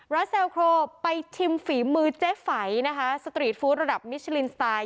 ัสเซลโครไปชิมฝีมือเจ๊ไฝนะคะสตรีทฟู้ดระดับมิชลินสไตล์